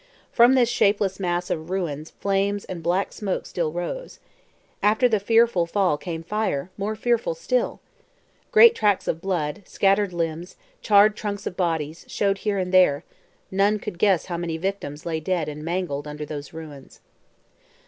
From this shapeless mass of ruins flames and black smoke still rose. After the fearful fall came fire, more fearful still! Great tracks of blood, scattered limbs, charred trunks of bodies, showed here and there; none could guess how many victims lay dead and mangled under those ruins.